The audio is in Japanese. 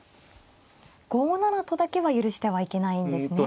５七とだけは許してはいけないんですね。